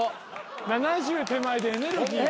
７０手前でエネルギーが。